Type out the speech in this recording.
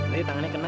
tadi tangannya kena